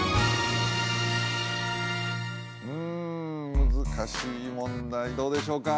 うん難しい問題どうでしょうか？